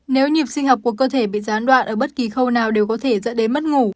nếu nhịp sinh học của cơ thể bị gián đoạn ở bất kỳ khâu nào đều có thể dẫn đến mất ngủ